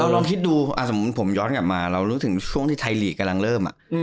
ลองคิดดูสมมุติผมย้อนกลับมาเรารู้สึกถึงช่วงที่ไทยลีกกำลังเริ่ม